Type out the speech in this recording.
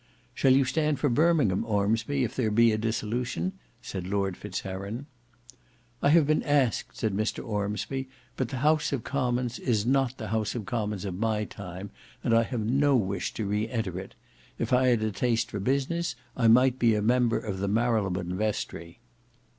"Shall you stand for Birmingham, Ormsby, if there be a dissolution?" said Lord Fitz Heron. "I have been asked," said Mr Ormsby; "but the House of Commons is not the House of Commons of my time, and I have no wish to re enter it. If I had a taste for business, I might be a member of the Marylebone vestry."